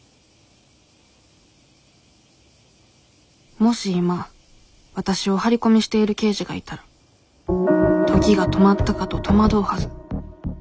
もし今わたしをハリコミしている刑事がいたら時が止まったかと戸惑うはず